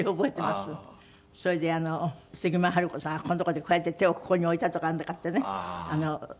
それで杉村春子さんがここのとこでこうやって手をここに置いたとかなんとかってね。